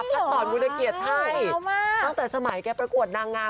พระตรวจมูลเกียรติไทยตั้งแต่สมัยแก่ประกวดนางงาม